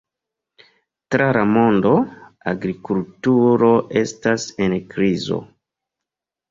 Tra la mondo, agrikulturo estas en krizo.